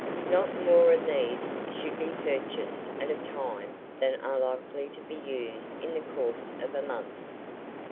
Not more of these should be purchased at a time than are likely to be used in the course of a month.